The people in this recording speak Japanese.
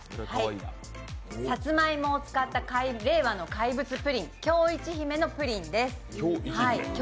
さつまいもを使って令和の怪物プリン、京いち姫ぷりんです。